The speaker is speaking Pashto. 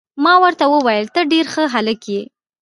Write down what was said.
ما ورته وویل: ته ډیر ښه هلک يې.